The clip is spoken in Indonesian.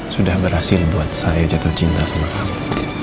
sudah berhasil buat saya jatuh cinta sama kamu